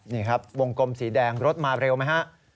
นี่ครับวงกลมสีแดงรถมาเร็วไหมฮะ